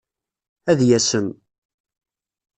Ad yasem.